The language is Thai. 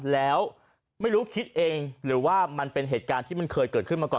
แล้วไม่รู้คิดเองหรือว่ามันเป็นเหตุการณ์ที่มันเคยเกิดขึ้นมาก่อน